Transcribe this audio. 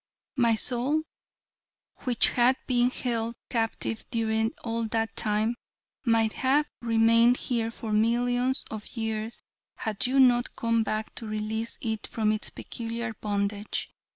My soul, which had been held a captive during all that time, might have remained here for millions of years had you not come back to release it from its peculiar bondage.